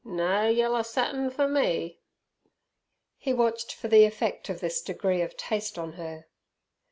No yeller satin for me!" He watched for the effect of this degree of taste on her.